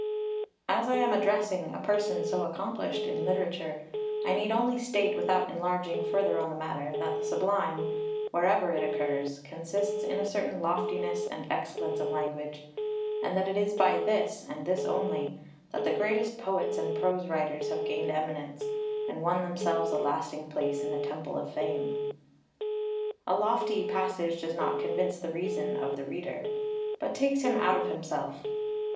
[Footnote 1: Reading φιλοφρονέστατα καὶ ἀληθέστατα.] 3 As I am addressing a person so accomplished in literature, I need only state, without enlarging further on the matter, that the Sublime, wherever it occurs, consists in a certain loftiness and excellence of language, and that it is by this, and this only, that the greatest poets and prose writers have gained eminence, and won themselves a lasting place in the Temple of Fame. 4 A lofty passage does not convince the reason of the reader, but takes him out of himself.